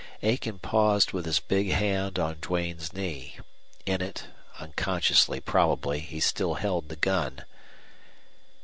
Aiken paused with his big hand on Duane's knee. In it, unconsciously probably, he still held the gun.